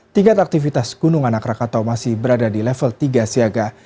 tingkat aktivitas gunung anak rakatau masih berada di level tiga siaga